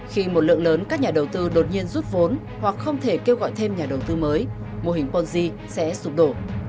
khi một lượng lớn các nhà đầu tư đột nhiên rút vốn hoặc không thể kêu gọi thêm nhà đầu tư mới mô hình ponzi sẽ sụp đổ